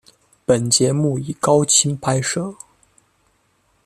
本节目以高清拍摄。